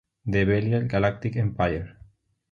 The Belial Galactic Empire".